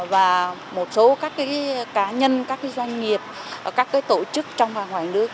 và một số các cá nhân các doanh nghiệp các tổ chức trong và ngoài nước